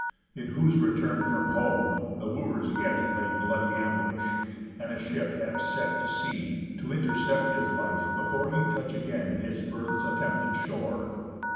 In whose return from home, the Wooers yet Lay bloody ambush, and a ship have set To sea, to intercept his life before He touch again his birth's attempted shore.